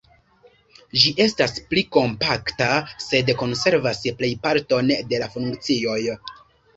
Ĝi estas pli kompakta, sed konservas plejparton de la funkcioj.